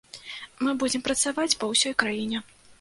Мы будзем працаваць па ўсёй краіне.